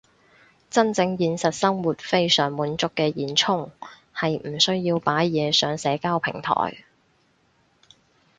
真正現實生活非常滿足嘅現充係唔需要擺嘢上社交平台